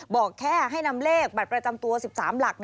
บอกแค่ให้นำเลขบัตรประจำตัว๑๓หลัก